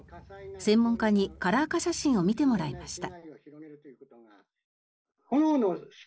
専門家にカラー化写真を見てもらいました。